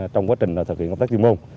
trong quá trình thực hiện công tác chuyên môn